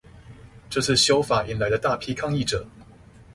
這次修法引來了大批抗議者